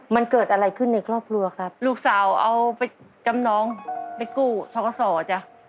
มันเกิดอะไรขึ้นในครอบครัวครับลูกสาวเอาไปจำนองไปกู้ท้อกสอจ้ะ